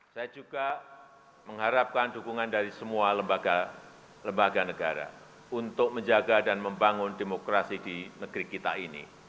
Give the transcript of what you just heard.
saya juga mengharapkan dukungan dari semua lembaga lembaga negara untuk menjaga dan membangun demokrasi di negeri kita ini